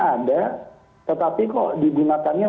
ada tetapi kok digunakannya